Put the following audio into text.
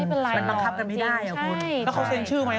ไม่เป็นไรเหรอมันลังคับกันไม่ได้อ่ะคุณใช่แล้วเขาเซ็นชื่อไหม